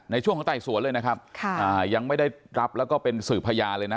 ในช่วงของไต่สวนเลยนะครับยังไม่ได้รับแล้วก็เป็นสื่อพยานเลยนะ